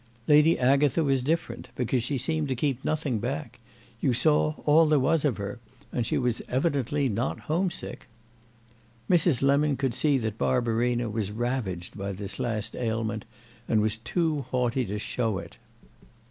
Lady Agatha was different, because she seemed to keep nothing back; you saw all there was of her, and she was evidently not home sick. Mrs. Lemon could see that Barbarina was ravaged by this last ailment and was also too haughty to show it.